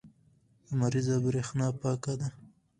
لمریزه برېښنا پاکه ده.